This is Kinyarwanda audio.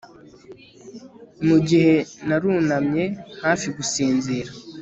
mugihe narunamye, hafi gusinzira